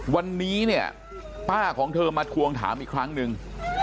วันนี้เนี่ยป้าของเธอมาทวงถามอีกครั้งหนึ่ง